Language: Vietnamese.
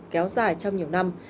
kéo dài trong nhiều năm